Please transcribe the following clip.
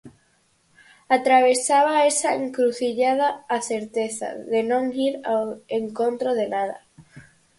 Atravesaba esa encrucillada a certeza de non ir ao encontro de nada.